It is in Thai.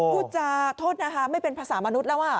พูดจาโทษนะคะไม่เป็นภาษามนุษย์แล้ว